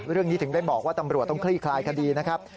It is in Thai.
เรื่องนี้ถึงได้บอกว่าตำรวจต้องคลี่คลายคดีนะครับ